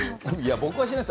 僕はしないです。